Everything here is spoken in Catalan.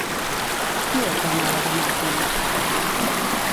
Qui és la mare de Magni?